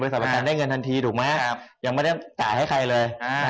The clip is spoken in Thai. ประกันได้เงินทันทีถูกไหมยังไม่ได้จ่ายให้ใครเลย